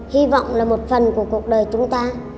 hy vọng là một phần của cuộc đời chúng ta